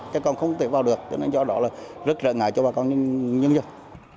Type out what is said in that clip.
chứ còn không thể vào được cho nên do đó là rất rõ ngại cho bà con nhân dân